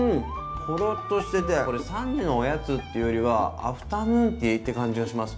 ホロッとしててこれ３時のおやつっていうよりはアフタヌーンティーって感じがします。